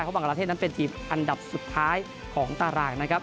เพราะบางกราเทศนั้นเป็นทีมอันดับสุดท้ายของตารางนะครับ